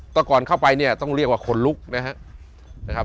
แต่ก่อนเข้าไปเนี่ยต้องเรียกว่าคนลุกนะครับ